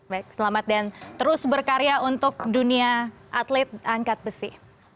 baik selamat dan terus berkarya untuk dunia atlet angkat besi